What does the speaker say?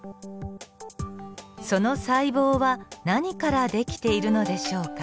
その細胞は何からできているのでしょうか。